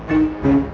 bukan mau jual tanah